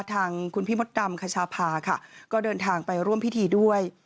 ทางคุณพี่มดดำคชาพาค่ะก็เดินทางไปร่วมพิธีด้วย